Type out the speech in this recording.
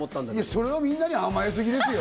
それはみんなに甘え過ぎですよ。